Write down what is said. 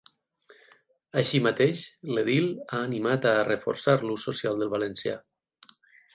Així mateix, l’edil ha animat a “reforçar l’ús social del valencià”.